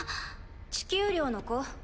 地球寮の子？